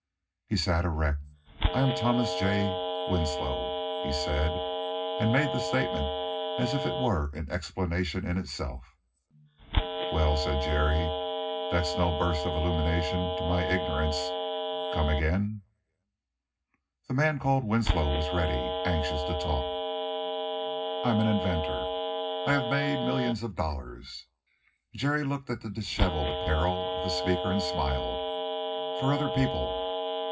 He sat erect. "I am Thomas J. Winslow," he said, and made the statement as if it were an explanation in itself. "Well," said Jerry, "that's no burst of illumination to my ignorance. Come again." The man called Winslow was ready anxious to talk. "I am an inventor. I have made millions of dollars" Jerry looked at the disheveled apparel of the speaker and smiled "for other people.